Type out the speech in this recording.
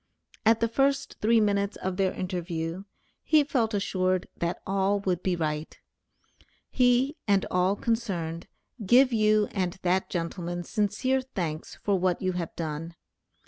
At the first three minutes of their interview, he felt assured that all would be right. He, and all concerned, give you and that gentleman sincere thanks for what you have done.